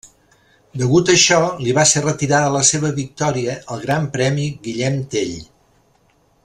Degut això li va ser retirada la seva victòria al Gran Premi Guillem Tell.